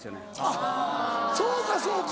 あっそうかそうか！